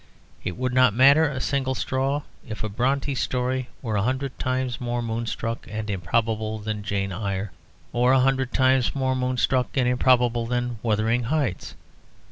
It would not matter a single straw if a Brontë story were a hundred times more moonstruck and improbable than "Jane Eyre," or a hundred times more moonstruck and improbable than "Wuthering Heights."